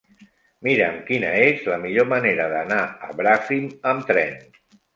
Mira'm quina és la millor manera d'anar a Bràfim amb tren.